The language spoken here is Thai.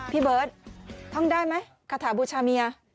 พี่เบิร์ตท่องได้ไหมคาถาบูชาเมีย